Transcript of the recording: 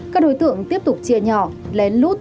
các đối tượng tiếp tục chia nhỏ lén lút